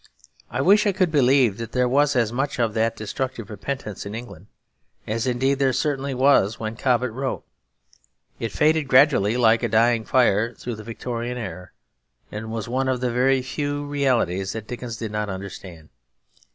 I wish I could believe that there was as much of that destructive repentance in England; as indeed there certainly was when Cobbett wrote. It faded gradually like a dying fire through the Victorian era; and it was one of the very few realities that Dickens did not understand.